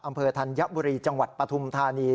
ธัญบุรีจังหวัดปฐุมธานี